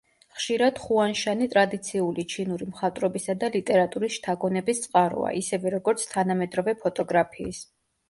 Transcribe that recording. ხშირად ხუანშანი ტრადიციული ჩინური მხატვრობისა და ლიტერატურის შთაგონების წყაროა, ისევე როგორც თანამედროვე ფოტოგრაფიის.